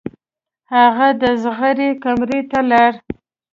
هغه د زغرې کمرې ته لاړ.